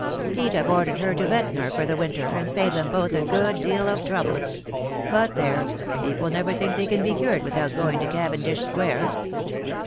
He'd have ordered her to Ventnor for the winter, and saved them both a good deal of trouble ; but there, people never think they can be cured without going to Cavendish Square."